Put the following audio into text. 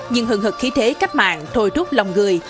nhưng hừng hợp khí thế cách mạng